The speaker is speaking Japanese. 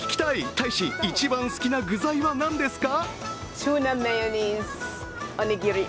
大使、一番好きな具材は何ですか？